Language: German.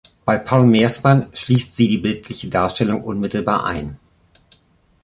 Bei Paul Mersmann schließt sie die bildliche Darstellung unmittelbar ein.